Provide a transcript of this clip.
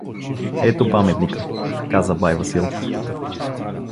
— Ето паметника — каза бай Васил.